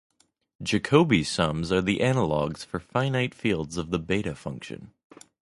Jacobi sums are the analogues for finite fields of the beta function.